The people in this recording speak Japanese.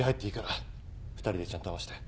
二人でちゃんと合わせて。